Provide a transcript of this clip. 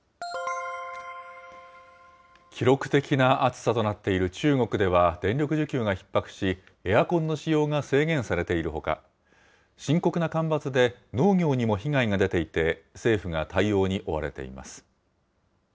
記録的な暑さとなっている中国では、電力需給がひっ迫し、エアコンの使用が制限されているほか、深刻な干ばつで農業にも被害が出ていて、政府が対応に追われています。